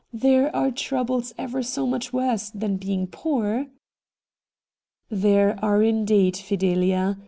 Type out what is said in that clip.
There are troubles ever so much worse than being poor ' There are indeed, FideHa.